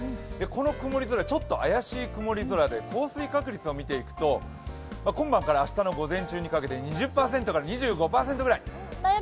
この曇り空、ちょっと怪しい曇り空で降水確率を見ていくと今晩から明日の午前中にかけて２０％から２５％ぐらい。